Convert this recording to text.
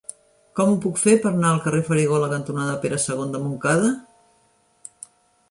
Com ho puc fer per anar al carrer Farigola cantonada Pere II de Montcada?